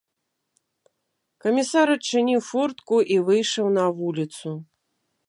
Камісар адчыніў фортку і выйшаў на вуліцу.